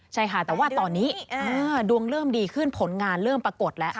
ใช่ค่ะแต่ว่าตอนนี้ดวงเริ่มดีขึ้นผลงานเริ่มปรากฏแล้ว